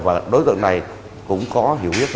và đối tượng này cũng có hiểu biết